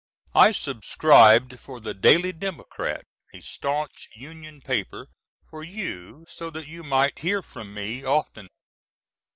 I subscribed for the Daily Democrat, a staunch Union paper, for you so that you might hear from me often.